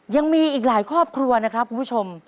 ยังมีอีกหลายครอบครัวนะครับคุณผู้ชม